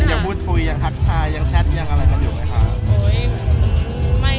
ยังพูดคุยยังทักทายยังแชทยังอะไรกันอยู่ไหมคะ